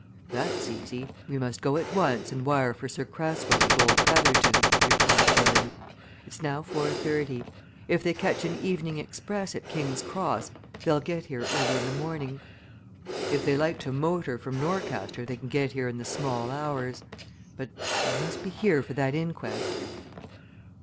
"That's easy. We must go at once and wire for Sir Cresswell and old Petherton," replied Gilling. "It's now four thirty. If they catch an evening express at King's Cross they'll get here early in the morning. If they like to motor from Norcaster they can get here in the small hours. But they must be here for that inquest."